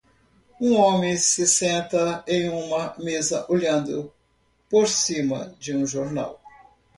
Um homem se senta em uma mesa olhando por cima de um jornal